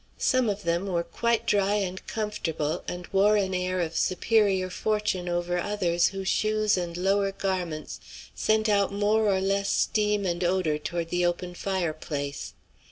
Some of them were quite dry and comfortable, and wore an air of superior fortune over others whose shoes and lower garments sent out more or less steam and odor toward the open fireplace.